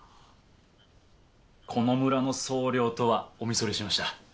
この村の総領とはおみそれしました。